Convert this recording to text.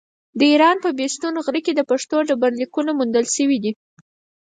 د ايران په بېستون غره کې د پښتو ډبرليکونه موندل شوي دي.